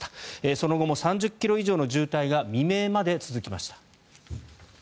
その後も３０ｋｍ以上の渋滞が未明まで続きました。